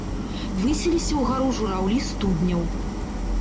Высіліся ўгару жураўлі студняў.